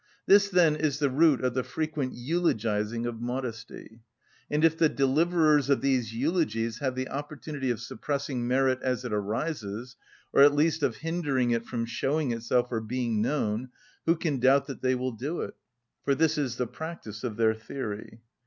This, then, is the root of the frequent eulogising of modesty. And if the deliverers of these eulogies have the opportunity of suppressing merit as it arises, or at least of hindering it from showing itself or being known, who can doubt that they will do it? For this is the practice of their theory.